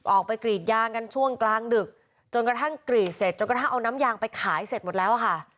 ออกไปกรีดยางกันช่วงกลางดึกจนกระทั่งกรีดเสร็จจนกระทั่งเอาน้ำยางไปขายเสร็จหมดแล้วค่ะ